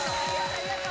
ありがと